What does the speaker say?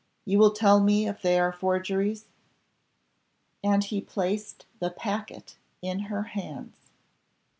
You will tell me if they are forgeries?" And he placed the packet in her hands.